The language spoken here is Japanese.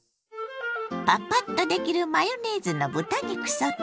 パパッとできるマヨネーズの豚肉ソテー。